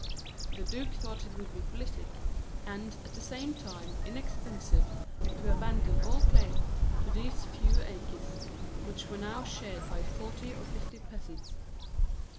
The duke thought it would be politic, and, at the same time, inexpensive, to abandon all claim to these few acres, which were now shared by forty or fifty peasants.